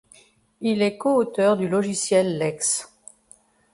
Il est coauteur du logiciel lex.